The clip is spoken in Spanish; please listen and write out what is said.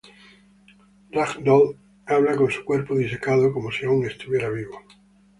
Rag Doll habla con su cuerpo disecado como si aún estuviera vivo.